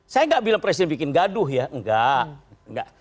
saya nggak bilang presiden bikin gaduh ya enggak